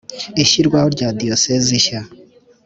Ishyirwaho rya Diyosezi nshya